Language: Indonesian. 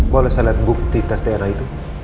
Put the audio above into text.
kalau saya lihat bukti tes dna itu